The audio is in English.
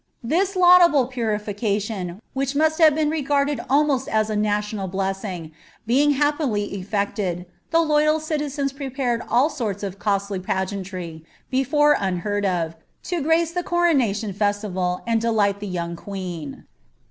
This laudable purification, which must have been regarded alnuHtli a naliodal blessing, being happily eflected, the loj al citizens prepared lU sorts of costly pageantry, before unheard of, lo gmce the coroouifl festival, and delight the young queen.